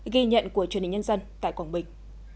ghi nhận của truyền hình nhân dân tại quảng bình